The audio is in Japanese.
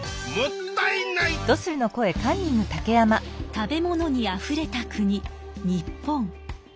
食べ物にあふれた国日本。